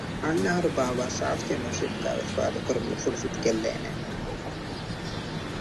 ދަނޑުވެރިޔާ ފްލެމިންގ ގެ ދަރިފުޅު ކިޔެވީ އިނގިރޭސިވިލާތުގެ އެންމެ ނަން ހުރި ރަނގަޅު މަދުރަސާތަކުން